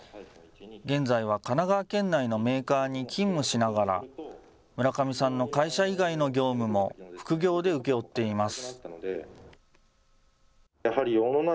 現在は神奈川県内のメーカーに勤務しながら、村上さんの会社以外の業務も、副業で請け負っています。